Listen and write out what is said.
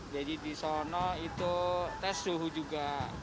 di sana itu tes suhu juga